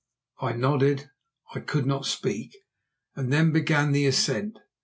I nodded, for I could not speak, and then began the ascent.